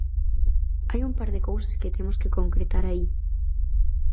Hai un par de cousas que temos que concretar aí.